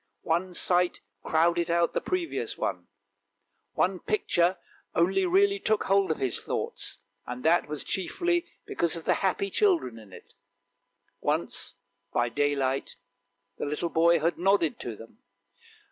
One sight crowded out the previous one; one picture only really took hold of his thoughts, and that chiefly because of the happy children in it; once by daylight the little boy had nodded to them.